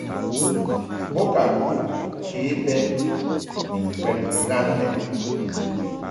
Bo ka kud ke bɛ ni ŋkwɛn ghan lɛ.